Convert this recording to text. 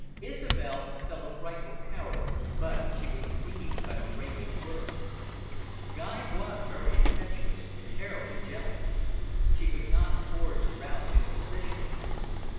Isobel felt a frightful coward, but she was relieved by Moreno's words. Guy was very impetuous, and terribly jealous. She could not afford to rouse his suspicions.